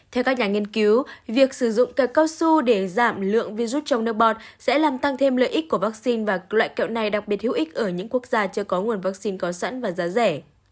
theo các nhà nghiên cứu việc sử dụng cài cao su để giảm lượng virus trong nước bọt sẽ làm tăng thêm lợi ích của vaccine và loại kẹo này đặc biệt hữu ích ở những quốc gia chưa có nguồn vaccine có sẵn và giá rẻ